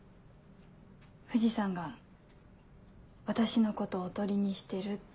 藤さんが私のことおとりにしてるって。